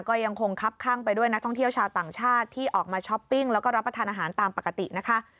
ก็ยังคงคับข้างไปด้วยนักท่องเที่ยวชาวต่างชาติที่ออกมาช้อปปิ้งแล้วก็รับประทานอาหารตามปกตินะคะ